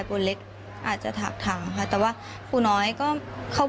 ประตู๓ครับ